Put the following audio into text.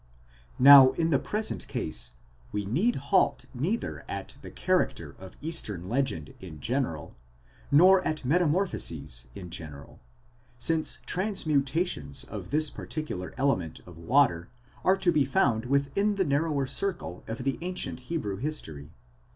Now in the present case we need halt neither at the character of eastern legend in general, nor at metamorphoses in general, since transmutations of this particular element of water are to be found within the narrower circle of the ancient Hebrew history.